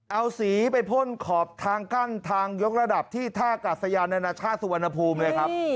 เอาสีไปพ่นขอบทางกั้นทางยกระดับที่ท่ากาศยานานาชาติสุวรรณภูมิเลยครับ